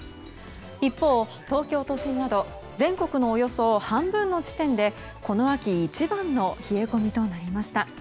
一方、東京都心など全国のおよそ半分の地点でこの秋一番の冷え込みとなりました。